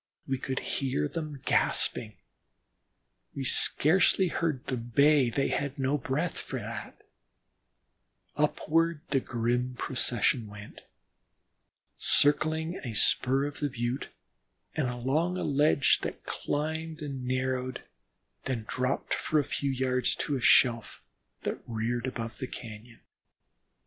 We could hear them gasping; we scarcely heard them bay they had no breath for that; upward the grim procession went, circling a spur of the Butte and along a ledge that climbed and narrowed, then dropped for a few yards to a shelf that reared above the cañon.